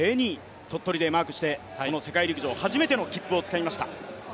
鳥取でマークしてこの世界陸上初めての切符をつかみました。